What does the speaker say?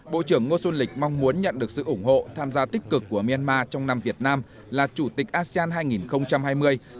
bộ trưởng ngô xuân lịch mong muốn nhận được sự ủng hộ tham gia tích cực của myanmar trong năm việt nam là chủ tịch asean hai nghìn hai mươi